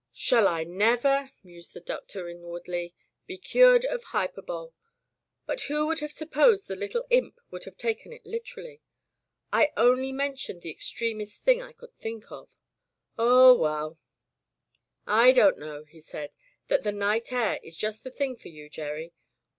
"Shall I never," mused the Doctor in wardly, "be cured of hyperbole! But who would have supposed the little imp would have taken it literally! I only mentioned the extremest thing I could think of — oh, well " "I don't know," he said, "that the night air is just the thing for you, Gerry.